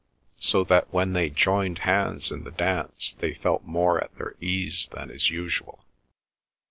So that when they joined hands in the dance they felt more at their ease than is usual.